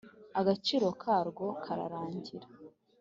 agaciro karwo kararangira